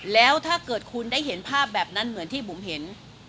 แล้วถ้าเกิดคุณได้เห็นภาพแบบนั้นเหมือนที่บุ๋มเห็น